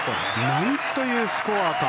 なんというスコアか。